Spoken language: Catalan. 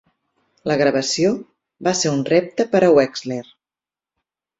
La gravació va ser un repte per a Wexler.